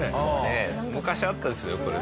昔あったんですよこれ。